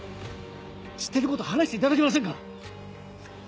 知ってることを話していただけませんか？